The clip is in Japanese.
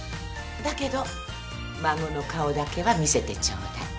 だけど孫の顔だけは見せてちょうだい。